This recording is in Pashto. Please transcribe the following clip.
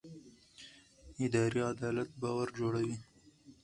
اداري عدالت باور جوړوي